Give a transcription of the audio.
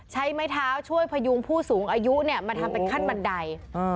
ใช้ไม้เท้าช่วยพยุงผู้สูงอายุมาทำเป็นขั้นบันได